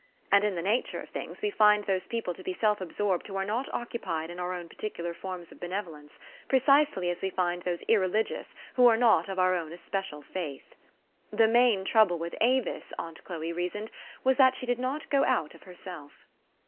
And, in the nature of things, we find those people to be self absorbed who are not occupied in our own particular forms of benevolence, precisely as we find those irreligious who are not of our own especial faith. The main trouble with Avis, aunt Chloe reasoned, was, that she did not go out of her self.